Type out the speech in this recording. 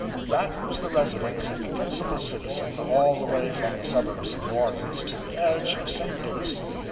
That was the residence of the principal citizen, all the way from the suburbs of New Orleans to the edge of St. Louis.